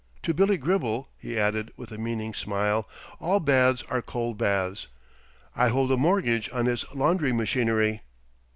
To Billy Gribble," he added, with a meaning smile, "all baths are cold baths. I hold a mortgage on his laundry machinery."